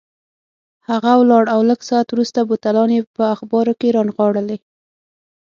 هغه ولاړ او لږ ساعت وروسته بوتلان یې په اخبارو کې رانغاړلي.